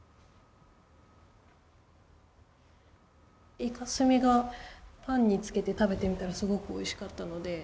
イカ墨がパンにつけて食べてみたらすごくおいしかったので。